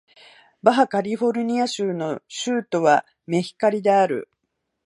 バハ・カリフォルニア州の州都はメヒカリである